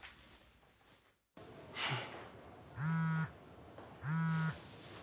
フッ。